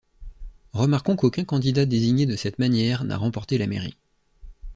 Remarquons qu'aucun candidat désigné de cette manière n'a remporté la mairie.